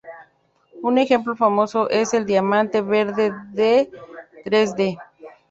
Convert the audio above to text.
Un ejemplo famoso es el diamante Verde de Dresde.